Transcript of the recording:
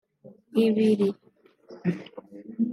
ibiri